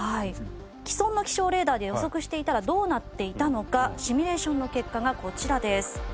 既存の気象レーダーで予測していたらどうなっていたのかシミュレーションの結果がこちらです。